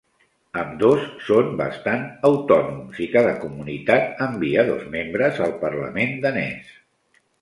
Ambdós són bastants autònoms i cada comunitat envia dos membres al Parlament danès.